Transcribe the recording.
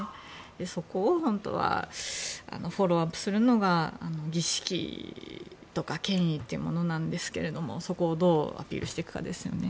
そこを本当はフォローアップするのが儀式とか権威というものなんですけれどもそこをどうアピールしていくかですね。